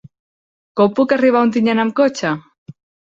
Com puc arribar a Ontinyent amb cotxe?